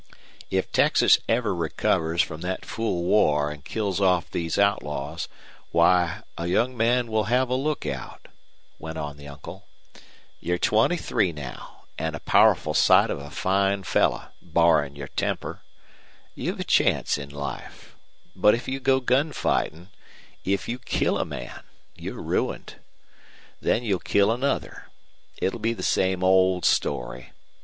"If Texas ever recovers from that fool war an' kills off these outlaws, why, a young man will have a lookout," went on the uncle. "You're twenty three now, an' a powerful sight of a fine fellow, barrin' your temper. You've a chance in life. But if you go gun fightin', if you kill a man, you're ruined. Then you'll kill another. It'll be the same old story.